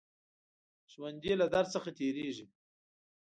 ژوندي له درد څخه تېرېږي